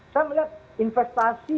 saya melihat investasi